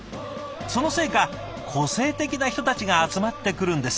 そのせいか個性的な人たちが集まってくるんです。